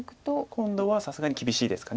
今度はさすがに厳しいですか。